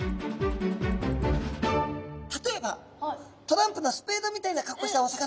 例えばトランプのスペードみたいな格好したお魚。